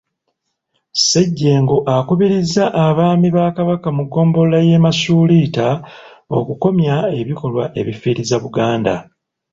Ssejjengo akubirizza Abaami ba Kabaka mu ggombolola y’e Masuuliita okukomya ebikolwa ebifiiriza Buganda.